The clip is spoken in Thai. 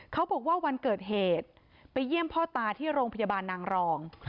เขาบอกว่าวันเกิดเหตุไปเยี่ยมพ่อตาที่โรงพยาบาลนางรอง